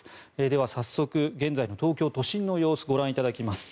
では、早速現在の東京都心の様子ご覧いただきます。